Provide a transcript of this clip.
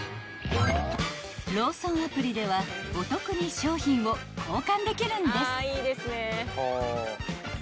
［ローソンアプリではお得に商品を交換できるんです］